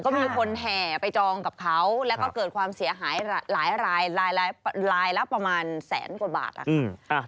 ก็มีคนแห่ไปจองกับเขาแล้วก็เกิดความเสียหายหลายรายละประมาณแสนกว่าบาทล่ะค่ะ